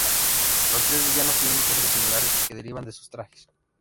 Los tres villanos tienen poderes similares que derivan de sus trajes.